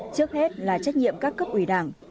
trước hết là trách nhiệm các cấp ủy đảng